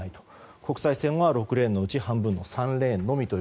国際線は６レーンのうち半分の３レーンのみ。